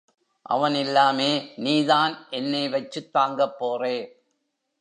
அவன் இல்லாமே நீதான் என்னெ வச்சுத் தாங்கப் போறே.